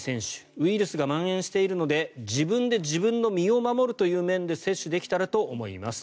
ウイルスがまん延しているので自分で自分の身を守るという面で接種できたらと思います。